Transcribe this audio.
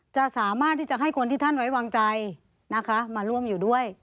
จะสามารถที่จะให้คนที่ท่านไว้วางใจนะคะมาร่วมอยู่ด้วย